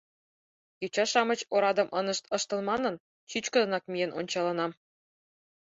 Йоча-шамыч орадым ынышт ыштыл манын, чӱчкыдынак миен ончалынам..